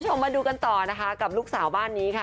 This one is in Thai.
มาดูกันต่อนะคะกับลูกสาวบ้านนี้ค่ะ